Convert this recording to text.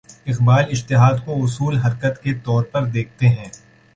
اقبال اجتہاد کو اصول حرکت کے طور پر دیکھتے ہیں۔